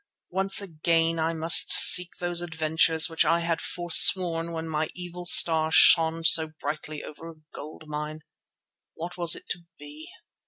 Once again I must seek those adventures which I had forsworn when my evil star shone so brightly over a gold mine. What was it to be?